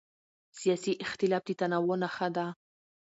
سیاسي اختلاف د تنوع نښه ده